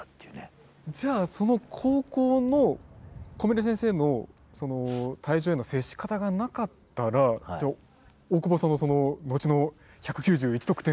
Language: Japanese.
じゃあその高校の小嶺先生の退場への接し方がなかったら大久保さんの後の１９１得点というのにもつながって。